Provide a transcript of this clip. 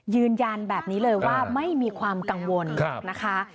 ยืนยันแบบนี้เลยว่าไม่มีความกังวลนะคะ